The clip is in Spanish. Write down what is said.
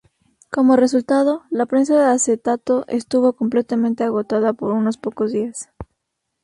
Como resultado, la prensa de acetato estuvo completamente agotada por unos pocos días.